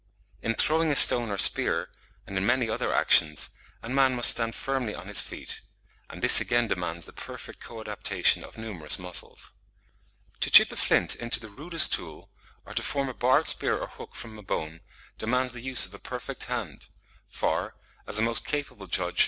In throwing a stone or spear, and in many other actions, a man must stand firmly on his feet; and this again demands the perfect co adaptation of numerous muscles. To chip a flint into the rudest tool, or to form a barbed spear or hook from a bone, demands the use of a perfect hand; for, as a most capable judge, Mr. Schoolcraft (68.